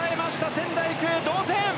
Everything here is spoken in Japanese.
仙台育英、同点！